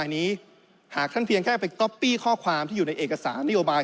อันนี้หากท่านเพียงแค่ไปก๊อปปี้ข้อความที่อยู่ในเอกสารนโยบาย